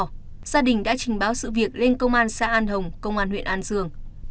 gia đình đã trình báo sự việc lên công an xã an hồng công an huyện an dương